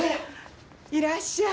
いらっしゃい！